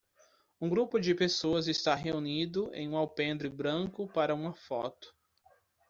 Um grupo de pessoas está reunido em um alpendre branco para uma foto.